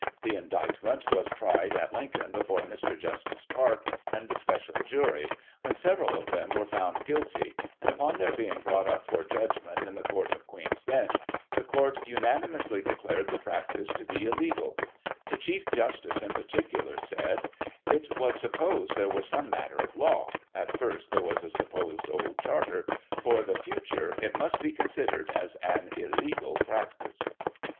The indict ment was tried at Lincoln, before Mr. Justice Park cind a special jury, when several of them were found guilty; and, upon their being brought up for judgment in the Court of Queen's Bench, the Court unanimously declared the practice Digiti ized by Google JO GOSSIP. [1838 to be illegal ; the Chief Justice, in particular, said : "It was supposed there was some matter of law — at first, there was a supposed old Charter — ^for the future, it must be considered as an illegal practice."